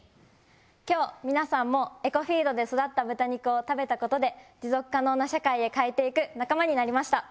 今日皆さんもエコフィードで育った豚肉を食べたことで持続可能な社会へ変えていく仲間になりました。